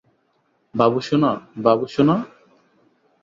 বাবুসোনা, বাবুসোনা!